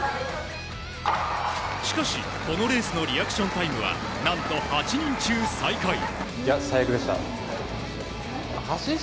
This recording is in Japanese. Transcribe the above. しかし、このレースのリアクションタイムは何と８人中最下位。